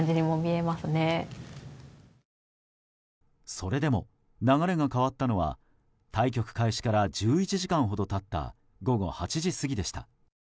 それでも流れが変わったのは対局開始から１１時間ほど経った午後８時過ぎでした。